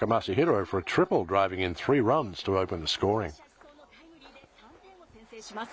走者一掃のタイムリーで３点を先制します。